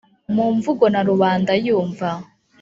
mu mvugo na rubanda yumva,